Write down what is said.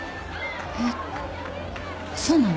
えっそうなの？